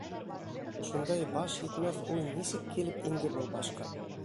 Шундай баш етмәҫ уй нисек килеп инде был башҡа?